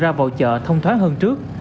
ra vào chợ thông thoáng hơn trước